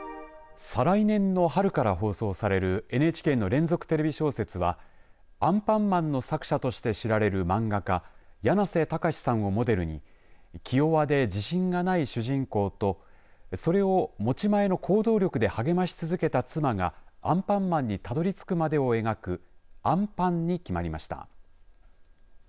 再来年の春から放送されるＮＨＫの連続テレビ小説はアンパンマンの作者として知られる漫画家やなせたかしさんをモデルに気弱で自信がない主人公とそれを持ち前の行動力で励まし続けた妻がアンパンマンにたどりつくまでを描くあんぱんに決まりました。